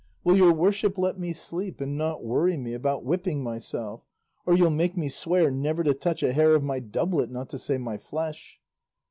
Will your worship let me sleep, and not worry me about whipping myself? or you'll make me swear never to touch a hair of my doublet, not to say my flesh."